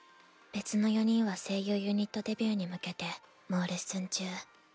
別の４人は声優ユニットデビューに向けて猛レッスン中。